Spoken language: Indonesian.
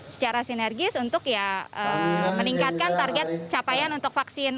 secara sinergis untuk ya meningkatkan target capaian untuk vaksin